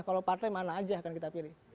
kalau partai mana aja akan kita pilih